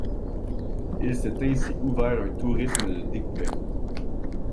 Il s'est ainsi ouvert un tourisme de découverte.